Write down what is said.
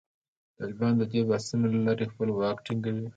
طالبان د دې بحثونو له لارې خپل واک ټینګوي.